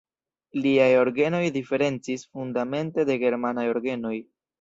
Liaj orgenoj diferencis fundamente de germanaj orgenoj.